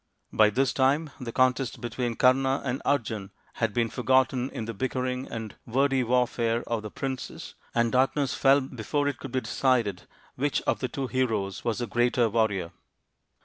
By this time the contest between Kama and Arjun had been forgotten in the bickering and wordy warfare of the princes, and darkness fell before it could be decided which of the two heroes was the greater warrior.